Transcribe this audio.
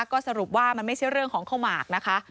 ก็สรุปว่ามันไม่ใช่เรื่องของข้าวหมากนะคะ